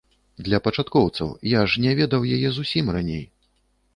Для пачаткоўцаў, я ж не ведаў яе зусім раней.